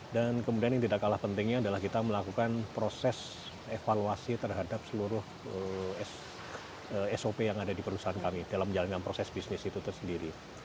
dan kemudian yang tidak kalah pentingnya adalah kita melakukan proses evaluasi terhadap seluruh sop yang ada di perusahaan kami dalam menjalankan proses bisnis itu tersendiri